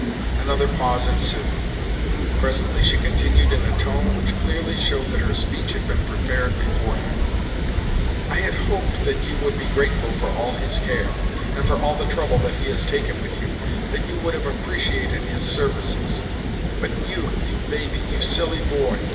Another pause ensued. Presently she continued in a tone which clearly showed that her speech had been prepared beforehand, "I had hoped that you would be grateful for all his care, and for all the trouble that he has taken with you, that you would have appreciated his services; but you—you baby, you silly boy!